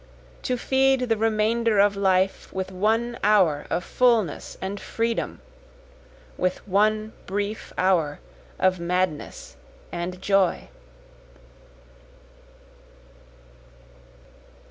To feed the remainder of life with one hour of fulness and freedom! With one brief hour of madness and joy.